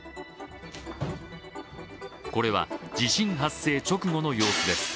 これは地震発生直後の様子です。